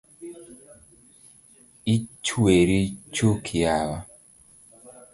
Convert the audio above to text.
Ichweri chuk yawa?